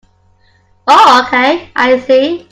Oh okay, I see.